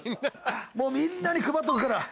もうみんなに配っとくから。